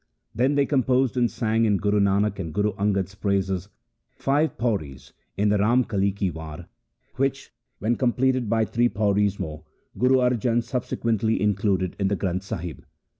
They then com posed and sang in Guru Nanak and Guru Angad's praises five pauris in the Ramkali ki War, which, when completed by three pauris more, Guru Arjan subsequently included in the Granth Sahib.